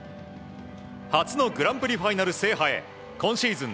初のグランプリファイナル制覇へ今シーズン